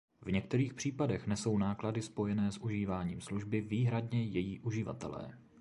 V některých případech nesou náklady spojené s užíváním služby výhradně její uživatelé.